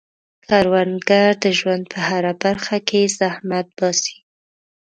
کروندګر د ژوند په هره برخه کې زحمت باسي